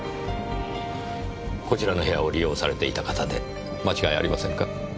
こちらの部屋を利用されていた方で間違いありませんか？